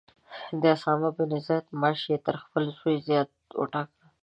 د اسامه بن زید معاش یې تر خپل زوی زیات وټاکه.